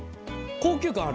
高級感ある。